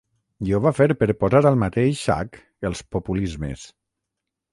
I ho va fer per posar al mateix sac ‘els populismes’.